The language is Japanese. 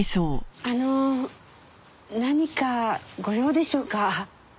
あの何かご用でしょうか？